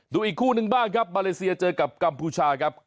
ดูอีกคู่นึงบ้างครับมาเลเซียเจอกับกัมพูชาครับ